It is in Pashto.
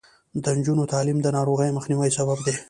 د نجونو تعلیم د ناروغیو مخنیوي سبب دی.